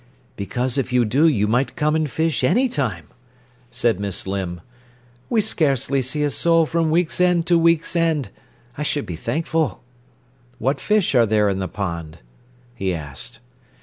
"Because if you do you might come and fish any time," said Miss Limb. "We scarcely see a soul from week's end to week's end. I should be thankful." "What fish are there in the pond?" he asked.